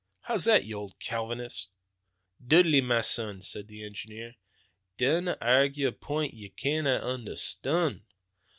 How's that, you old Calvinist?" "Dudley, ma son," said the engineer, "dinna airgue a point that ye canna understond.